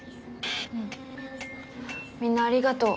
うんみんなありがとう。